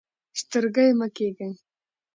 سترګۍ مه کیږئ.